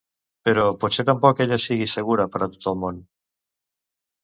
Però potser tampoc ella sigui segura per a tot el món.